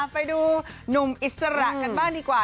ไปดูหนุ่มอิสระกันบ้างดีกว่า